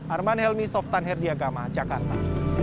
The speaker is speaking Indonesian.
arman helmi softan herdiagama jakarta